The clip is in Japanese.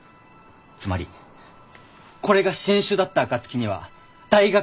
つまりこれが新種だった暁には大学の実績になる。